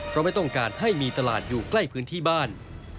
เพราะไม่ต้องการให้มีตลาดอยู่ใกล้พื้นที่บ้าน